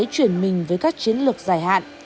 chuyển mình với các chiến lược dài hạn